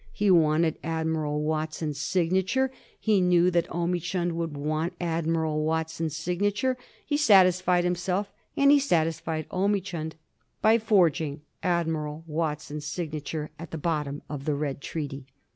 He wanted Admiral Watson's signature ; be knew that Omichund would want Admiral Watson's signature ; he satisfied himself, and he satisfied Omichund, by forg ing Admiral Watson's signature at the bottom of the Red Treaty.